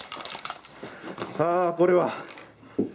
ああこれは。